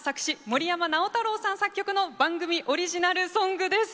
森山直太朗さん作曲の番組オリジナルソングです。